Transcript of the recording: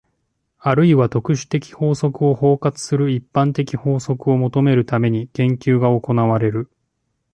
あるいは特殊的法則を包括する一般的法則を求めるために、研究が行われる。